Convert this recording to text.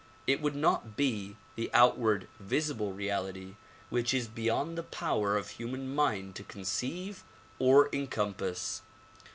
It would not be the outward, visible reality which is beyond the power of human mind to con ceive or encompass.